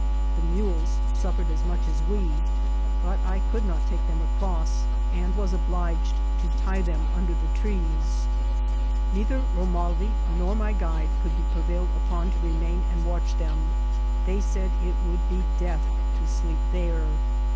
The mules suffered as much as we ; but I could not take them across, and was obliged to tie them 288 INCIDENTS OP TRAVBL. under the trees. Neither Romaldi nor my guide could be prevailed upon to remain and watch them ; they said it would be death to sleep there.